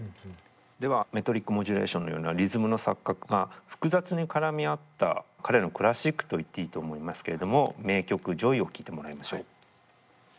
ではメトリックモジュレーションのようなリズムの錯覚が複雑に絡み合った彼のクラシックと言っていいと思いますけれども名曲「ｊｏｙ」を聴いてもらいましょう。